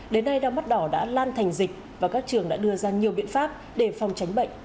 đến nay đau mắt đỏ đã lan thành dịch và các trường đã đưa ra nhiều biện pháp để phòng tránh bệnh